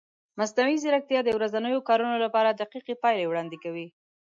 مصنوعي ځیرکتیا د ورځنیو کارونو لپاره دقیقې پایلې وړاندې کوي.